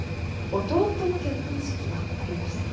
弟の結婚式がありまして。